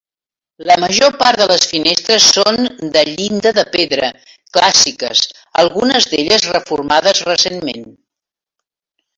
La major part de finestres són de llinda de pedra, clàssiques, algunes d'elles reformades recentment.